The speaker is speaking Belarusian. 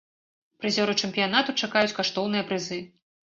Прызёраў чэмпіянату чакаюць каштоўныя прызы.